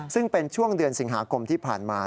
ซึ่งเป็นช่วงเดือนสิงหาคมที่ผ่านมา